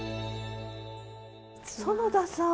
苑田さん。